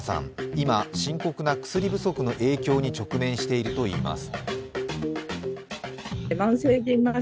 今、深刻な薬不足の影響に直面しているといいます。